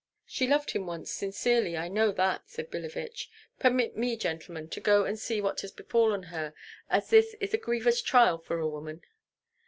"She loved him once sincerely, I know that," said Billevich. "Permit me, gentlemen, to go and see what has befallen her, as this is a grievous trial for a woman."